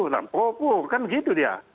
dan pro poor kan begitu dia